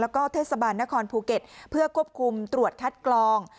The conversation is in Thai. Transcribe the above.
แล้วก็เทศบาลนครภูเก็ตเพื่อควบคุมตรวจคัดกรอง